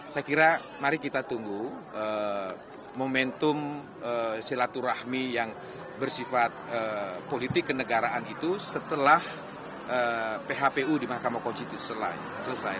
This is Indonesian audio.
saya kira mari kita tunggu momentum silaturahmi yang bersifat politik kenegaraan itu setelah phpu di mahkamah konstitusi selesai